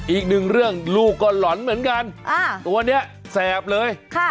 อีกนึงเรื่องลูกก่อนหล่อนเหมือนกันอ้าตัวเนี้ยแซบเลยค่ะ